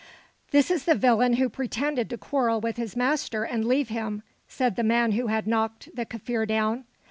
"This is the villain who pretended to quarrel with his master and leave him," said the man who had knocked the Kaffir down.